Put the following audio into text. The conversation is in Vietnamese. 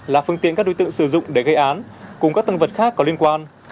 là phương tiện các đối tượng sử dụng để gây án cùng các tăng vật khác có liên quan